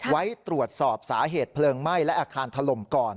ไว้ตรวจสอบสาเหตุเพลิงไหม้และอาคารถล่มก่อน